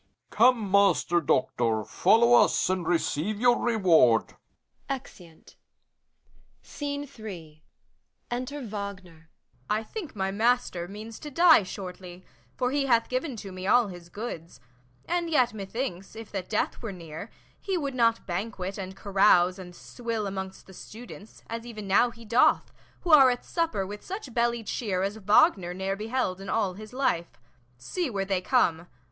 Come, Master Doctor, follow us, and receive your reward. [Exeunt.] Enter WAGNER. WAGNER. I think my master means to die shortly, For he hath given to me all his goods: And yet, methinks, if that death were near, He would not banquet, and carouse, and swill Amongst the students, as even now he doth, Who are at supper with such belly cheer As Wagner ne'er beheld in all his life. See, where they come!